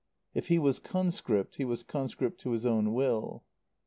If he was conscript, he was conscript to his own will.